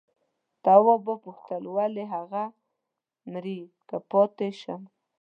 تواب وپوښتل ولې هغه مري که پاتې شم؟